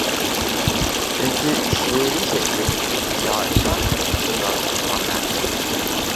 چۈنكى شېئىرىي شەكىل شائىرلار تەرىپىدىن يارىتىلىدىغان نەرسە.